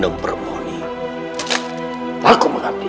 ma'am pergi selamat tinggal dulu